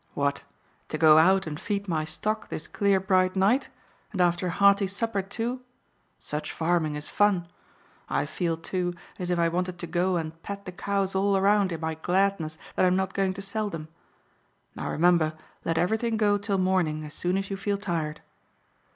"What! To go out and feed my stock this clear, bright night? And after a hearty supper too? Such farming is fun. I feel, too, as if I wanted to go and pat the cows all around in my gladness that I'm not going to sell them. Now remember, let everything go till morning as soon as you feel tired."